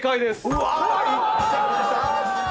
うわいっちゃった！